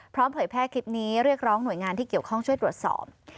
เผยแพร่คลิปนี้เรียกร้องหน่วยงานที่เกี่ยวข้องช่วยตรวจสอบ